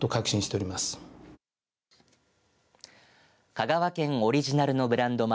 香川県オリジナルのブランド米